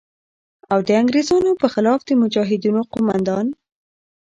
او د انگریزانو په خلاف د مجاهدینو قوماندان